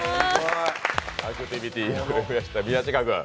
アクティビティーをやった宮近君。